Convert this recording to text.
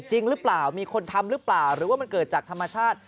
จริงหรือเปล่ามีคนทำหรือเปล่าหรือว่ามันเกิดจากธรรมชาติ